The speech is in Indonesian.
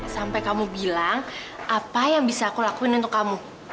sampai kamu bilang apa yang bisa aku lakuin untuk kamu